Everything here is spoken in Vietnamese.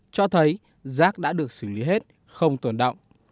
cho thấy rác đã được xử lý hết không tuần động